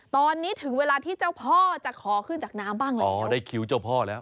ตอนนี้ถึงเวลาที่เจ้าพ่อจะขอขึ้นจากน้ำบ้างแล้วอ๋อได้คิวเจ้าพ่อแล้ว